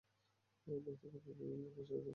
বন্ধু রূপে প্রেমিক রূপে পেশাগতভাবে, ব্যক্তিগতভাবে।